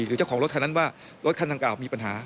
หรือเจ้าของรถคันนั้นว่ารถคันดังกล่าวมีปัญหา